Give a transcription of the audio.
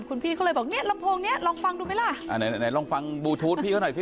คุณพี่เขาเลยบอกเนี้ยลำโพงเนี้ยลองฟังดูไหมล่ะอ่าไหนไหนลองฟังบลูทูธพี่เขาหน่อยสิ